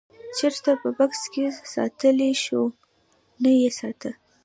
چېرته په بکس کې ساتلی شوو نه یې ساته.